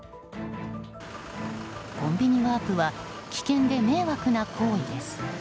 コンビニワープは危険で迷惑な行為です。